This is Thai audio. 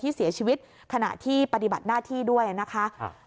เสียชีวิตขณะที่ปฏิบัติหน้าที่ด้วยนะคะ